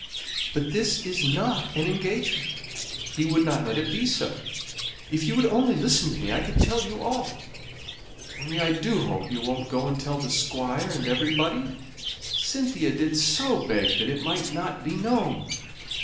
"But this is not an engagement; he would not let it be so; if you would only listen to me, I could tell you all. Only I do hope you won't go and tell the Squire and everybody. Cynthia did so beg that it might not be known.